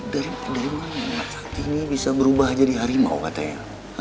dari mana saat ini bisa berubah jadi harimau katanya